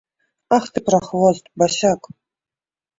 Ах ты, прахвост, басяк.